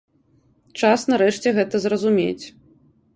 Час нарэшце гэта зразумець.